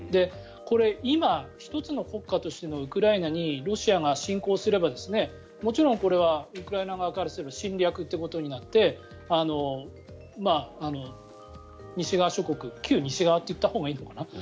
これ、今、１つの国家としてのウクライナにロシアが侵攻すればもちろんこれはウクライナ側からすれば侵略ということになって西側諸国旧西側と言ったほうがいいのかな